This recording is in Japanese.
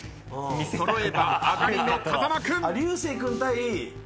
揃えば上がりの風間君。